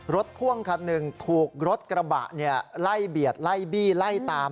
พ่วงคันหนึ่งถูกรถกระบะไล่เบียดไล่บี้ไล่ตาม